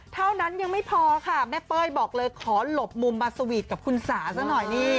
เท่านั้นยังไม่พอค่ะแม่เป้ยบอกเลยขอหลบมุมมาสวีทกับคุณสาซะหน่อยนี่